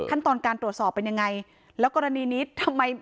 ขั้นตอนการตรวจสอบเป็นยังไงแล้วกรณีนี้ทำไม